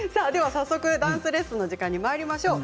早速ダンスレッスンの時間にまいりましょう。